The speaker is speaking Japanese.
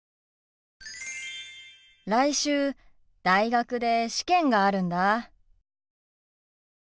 来週大学で試験があるんだ。